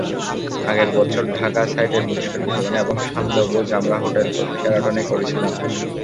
আগের বছর ঢাকা সাইটের পুরস্কার বিতরণী এবং সান্ধ্যভোজ আমরা হোটেল শেরাটনে করেছিলাম।